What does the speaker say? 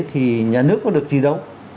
thì nhà nước có được gì đâu